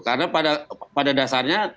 karena pada dasarnya